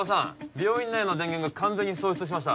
病院内の電源が完全に喪失しました